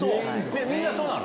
みんなそうなの？